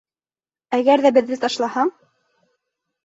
Әгәр ҙә беҙҙе ташлаһаң